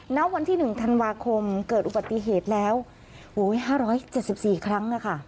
ณวันที่๑ธันวาคมเกิดอุบัติเหตุแล้ว๕๗๔ครั้งนะคะ